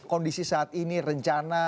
kondisi saat ini rencana